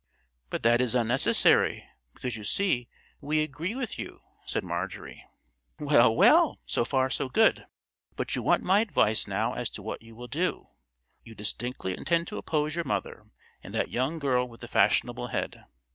"But that is unnecessary, because you see we agree with you," said Marjorie. "Well, well, so far so good; but you want my advice now as to what you will do. You distinctly intend to oppose your mother and that young girl with the fashionable head?"